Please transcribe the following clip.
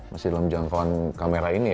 masih dalam jangkauan kamera ini